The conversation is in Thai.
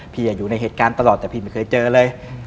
อยู่ในเหตุการณ์ตลอดแต่พี่ไม่เคยเจอเลย